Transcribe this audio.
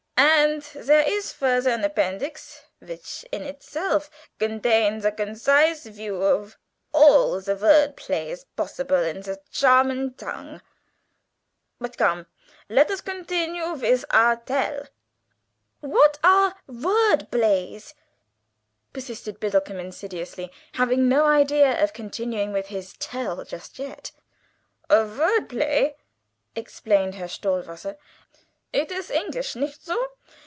And zere is further an appendeeks which in itself gontains a goncise view of all ze vort blays possible in the Charman tong. But, come, let us gontinue vith our Tell!" "What are vort blays?" persisted Biddlecomb insidiously, having no idea of continuing with his Tell just yet. "A vort blay," exclaimed Herr Stohwasser; "it is English, nicht so?